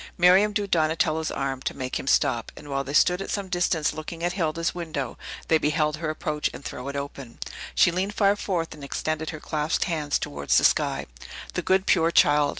Miriam drew Donatello's arm, to make him stop, and while they stood at some distance looking at Hilda's window, they beheld her approach and throw it open. She leaned far forth, and extended her clasped hands towards the sky. "The good, pure child!